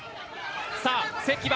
さあ、関は？